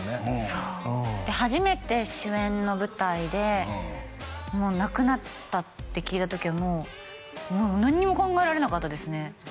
そう初めて主演の舞台でなくなったって聞いた時はもう何にも考えられなかったですね